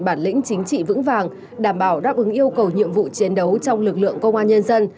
bản lĩnh chính trị vững vàng đảm bảo đáp ứng yêu cầu nhiệm vụ chiến đấu trong lực lượng công an nhân dân